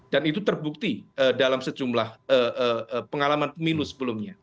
dan itu terbukti dalam sejumlah pengalaman milu sebelumnya